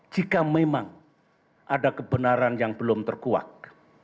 jika memang ada kebenaran yang belum terkuak